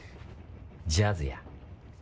ジャズや。